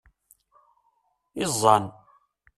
Iẓẓan!